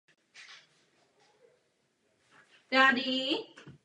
Remíza není možná.